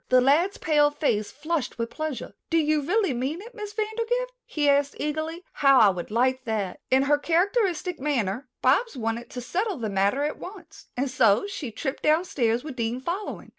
The lad's pale face flushed with pleasure. "Do you really mean it, Miss Vandergrift?" he asked eagerly. "How I would like that." In her characteristic manner Bobs wanted to settle the matter at once, and so she tripped downstairs with Dean following.